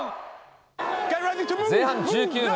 前半１９分。